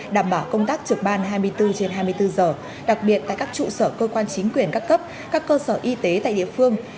đảm bảo công tác trực ban hai mươi bốn trên hai mươi bốn giờ đặc biệt tại các trụ sở cơ quan chính quyền các cấp các cơ sở y tế tại địa phương